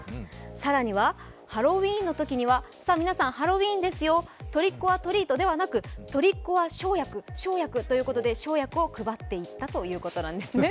更にはハロウィーンのときには、皆さんハロウィーンですよ、トリック・オア・トリートではなくトリック・オア・ショウヤクということで、生薬を配っていったということです。